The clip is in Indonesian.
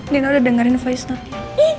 dino udah dengerin faiz nanti